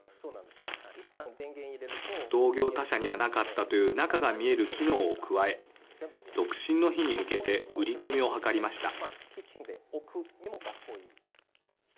同業他社にはなかったという中が見える機能を加え独身の日に向けて売り込みを図りました。